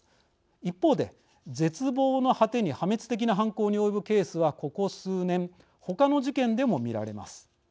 一方で絶望の果てに破滅的な犯行に及ぶケースはここ数年ほかの事件でも見られます。